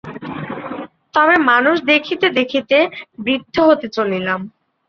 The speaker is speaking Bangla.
তবে মানুষ দেখিতে দেখিতে বৃদ্ধ হতে চলিলাম।